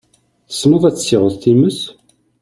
Tessneḍ ad tessiɣeḍ times?